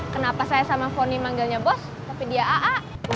kenapa saya sama fonny manggilnya bos tapi dia a a